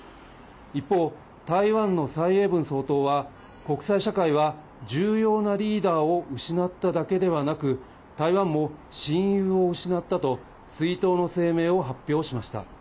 一方、台湾の蔡英文総統は、国際社会は重要なリーダーを失っただけではなく、台湾も親友を失ったと、追悼の声明を発表しました。